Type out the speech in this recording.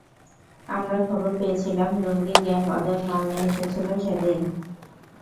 আমরা খবর পেয়েছিলাম লুঙ্গি গ্যাং ওদের মাল নিয়ে এসেছিল সেদিন।